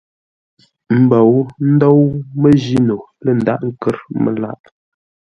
Mbǒu ndǒu məjíno lə ndàghʼ kə́r məlâʼ.